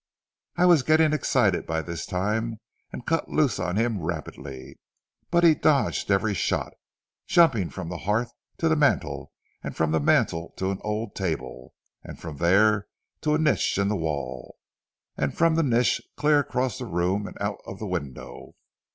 "I was getting excited by this time, and cut loose on him rapidly, but he dodged every shot, jumping from the hearth to the mantel, from the mantel to an old table, from there to a niche in the wall, and from the niche clear across the room and out of the window.